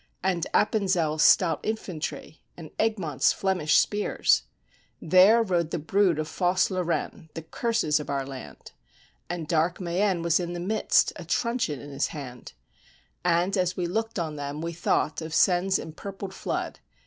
And Appenzel's stout infantry, and Egmont's Flemish spears. There rode the brood of false Lorraine, the curses of our land! And dark Mayenne was in the midst, a truncheon in his hand; And, as we looked on them, we thought of Seine's em purpled flood.